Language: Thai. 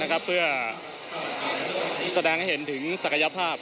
เพื่อแสดงให้เห็นถึงศักยภาพ